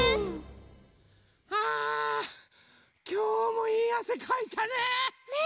あきょうもいいあせかいたね。